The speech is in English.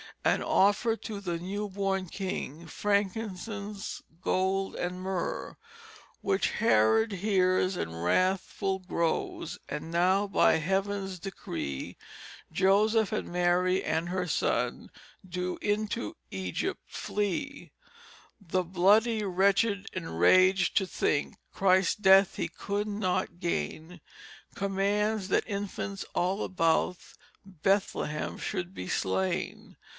And offer to the new born King Frankincense, Gold and Myrrh. Which Herod hears & wrathful Grows And now by Heavn's Decree Joseph and Mary and her Son Do into Ægypt flee. The Bloody Wretch enrag'd to think Christ's Death he could not gain, Commands that Infants all about Bethlehem should be slain.